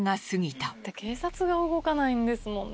だって警察が動かないんですもんね。